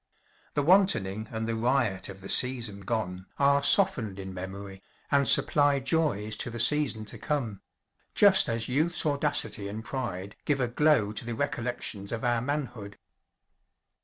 The wantoning and the riot of the season gone are softened in memory, and supply joys to the season to come, just as youth's audacity and pride give a glow to the recollections of our manhood.